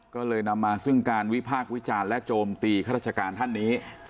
ก็เลยนำมาซึ่งการวิพากษ์วิจารณ์และโจมตีข้าราชการท่านนี้